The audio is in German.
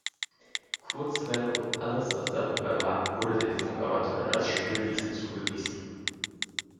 Kurzwelle und alles, was darüber lag, wurde den Funkamateuren als „Spielwiese“ zugewiesen.